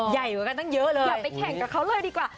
อย่าไปแข่งกับเค้าเลยดีกว่า